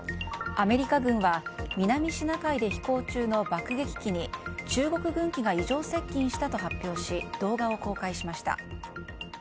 アメリカ軍は南シナ海で飛行中の爆撃機に中国軍機が異常接近したと発表し動画を公開しました。